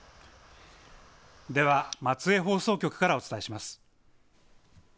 では松江放送局からお伝えします。